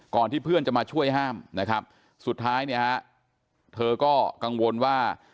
ก่อนที่เพื่อนจะมาช่วยห้ามสุดท้ายเธอก็กังวลว่า